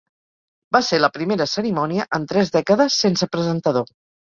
Va ser la primera cerimònia en tres dècades sense presentador.